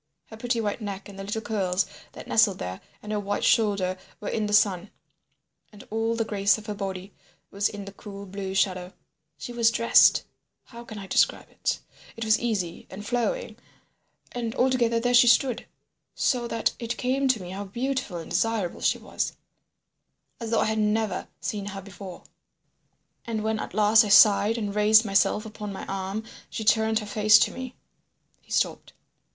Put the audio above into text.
Her pretty white neck and the little curls that nestled there, and her white shoulder were in the sun, and all the grace of her body was in the cool blue shadow. She was dressed—how can I describe it? It was easy and flowing. And altogether there she stood, so that it came to me how beautiful and desirable she was, as though I had never seen her before. And when at last I sighed and raised myself upon my arm she turned her face to me—" He stopped.